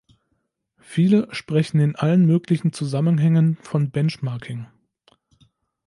Viele sprechen in allen möglichen Zusammenhängen von Benchmarking.